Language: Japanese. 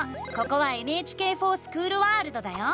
ここは「ＮＨＫｆｏｒＳｃｈｏｏｌワールド」だよ！